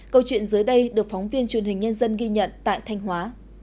câu chuyện dưới đây được phóng viên truyền hình nhân dân ghi nhận tại thanh hóa